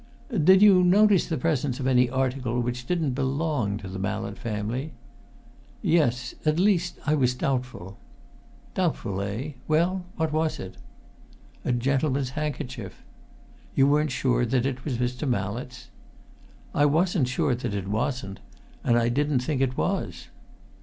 "Did you notice the presence of any article which didn't belong to the Mallett family?" "Yes at least, I was doubtful." "Doubtful, eh? Well, what was it?" "A gentleman's handkerchief." "You weren't sure that it was Mr. Mallett's?" "I wasn't sure that it wasn't. And I didn't think it was."